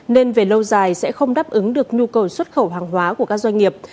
nên về lâu dài sẽ không đáp ứng được nhu cầu xuất khẩu hàng hóa của các doanh nghiệp